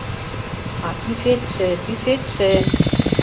— А тӱсетше, тӱсетше...